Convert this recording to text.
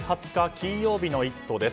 金曜日の「イット！」です。